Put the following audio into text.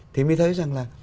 thì mới thấy rằng là